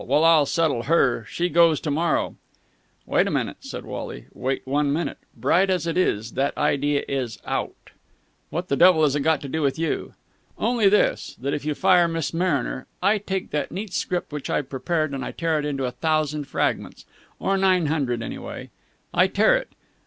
Well, I'll settle her! She goes to morrow!" "Wait a minute," said Wally. "Wait one minute! Bright as it is, that idea is out!" "What the devil has it got to do with you?" "Only this, that if you fire Miss Mariner, I take that neat script which I've prepared and I tear it into a thousand fragments. Or nine hundred. Anyway, I tear it.